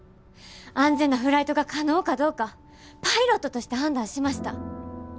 安全なフライトが可能かどうかパイロットとして判断しました。